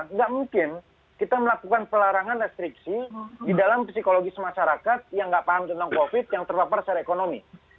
nggak mungkin kita melakukan pelarangan restriksi di dalam psikologis masyarakat yang nggak paham tentang covid yang terpapar secara ekonomi